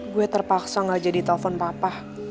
gue terpaksa gak jadi telpon papa